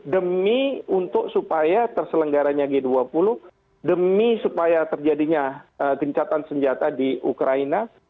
demi untuk supaya terselenggaranya g dua puluh demi supaya terjadinya gencatan senjata di ukraina